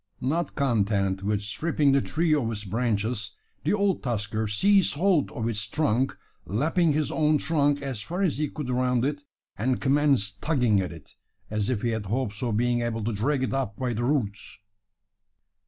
Not content with stripping the tree of its branches, the old tusker seized hold of its trunk lapping his own trunk as far as he could around it and commenced tugging at it, as if he had hopes of being able to drag it up by the roots.